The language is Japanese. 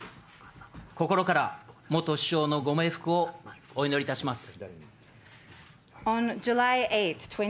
心から元首相のご冥福をお祈りいたします。